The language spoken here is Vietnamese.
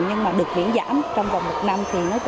nhưng mà được hiển giảm trong vòng một năm